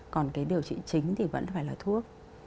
còn cái điều trị chính thì vẫn phải là thuốc